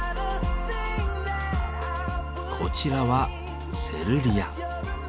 こちらは「セルリア」。